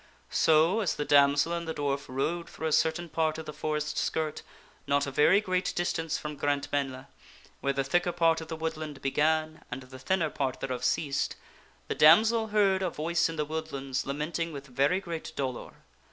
So, as the damsel and the dwarf rode through a certain part of the forest skirt, not a very great distance from Grantmesnle, where the thicker part of the woodland began and the thin ner part thereof ceased, the damsel heard a voice in the woodlands, lamenting with very great dolor.